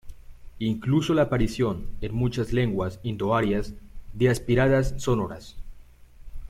Incluso la aparición en muchas lenguas indoarias de "aspiradas sonoras".